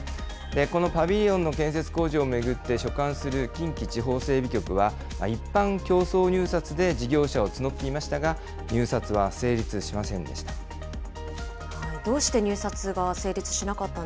このパビリオンの建設工事を巡って、所管する近畿地方整備局は、一般競争入札で事業者を募っていましたが、入札は成立しませんでどうして入札が成立しなかっ